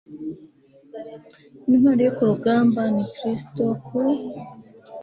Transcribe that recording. intwari yo ku rugamba, ni kristu wo ku